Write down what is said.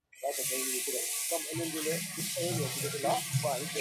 ওকে এখানে রাখতে আমার আর সাহস হয় না।